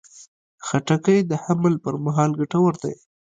خټکی د حمل پر مهال ګټور دی.